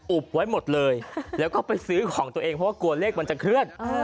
ไว้หมดเลยแล้วก็ไปซื้อของตัวเองเพราะว่ากลัวเลขมันจะเคลื่อน